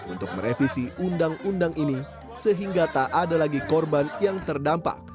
untuk merevisi undang undang ini sehingga tak ada lagi korban yang terdampak